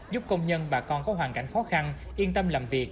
giúp công nhân bà con có hoàn cảnh khó khăn yên tâm làm việc